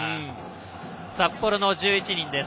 札幌の１１人です。